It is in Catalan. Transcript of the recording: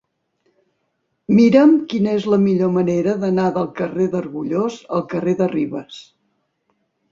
Mira'm quina és la millor manera d'anar del carrer d'Argullós al carrer de Ribes.